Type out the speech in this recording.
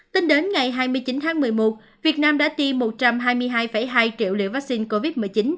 tính đến ngày hai mươi chín tháng một mươi một việt nam đã tiêm một trăm hai mươi hai hai triệu liều vaccine covid một mươi chín